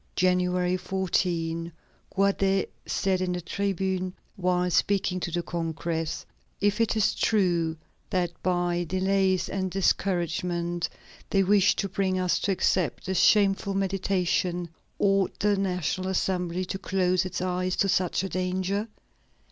January 14, Guadet said in the tribune, while speaking of the congress: "If it is true that by delays and discouragement they wish to bring us to accept this shameful mediation, ought the National Assembly to close its eyes to such a danger?